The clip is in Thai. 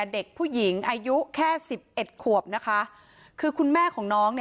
เด็กผู้หญิงอายุแค่๑๑ขวบคือคุณแม่ของน้อง